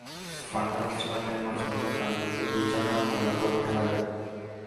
ফাঁকা রাস্তাটার প্রায় মাঝ বরাবর ডান দিকে দুই চাকার ময়লা কুড়ানো ঠেলাগাড়ি।